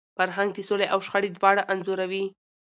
فرهنګ د سولي او شخړي دواړه انځوروي.